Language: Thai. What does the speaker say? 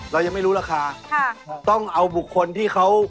เรายังไม่รู้ราคาต้องเอาบุคคลที่เขา